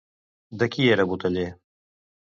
De qui era boteller?